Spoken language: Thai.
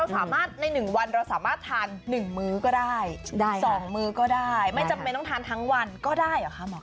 สามารถใน๑วันเราสามารถทาน๑มื้อก็ได้๒มื้อก็ได้ไม่จำเป็นต้องทานทั้งวันก็ได้เหรอคะหมอ